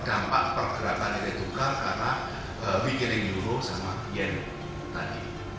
tidak sampai pergerakan nilai tukar karena wikileg euro sama yen tadi